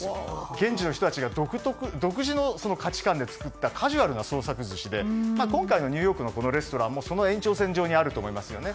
現地の人たちが独自の価値観で作ったカジュアルな創作寿司で今回のニューヨークのレストランその延長線上にあると思いますよね。